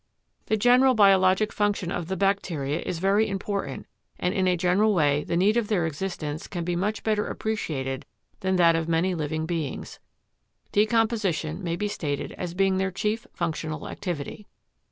The general biologic function of the bacteria is very important and in a general way the need of their existence can be much better appreciated than that of many living beings. Decomposition may be stated as being their chief functional activity.